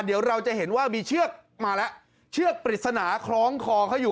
เดี๋ยวเราจะเห็นว่ามีเชือกมาแล้วเชือกปริศนาคล้องคอเขาอยู่